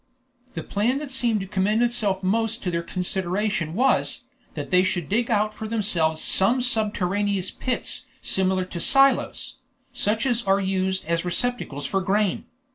The plan that seemed to commend itself most to their consideration was, that they should dig out for themselves some subterraneous pits similar to "silos," such as are used as receptacles for grain.